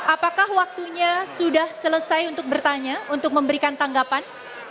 apakah waktunya sudah selesai untuk bertanya untuk memberikan tanggapan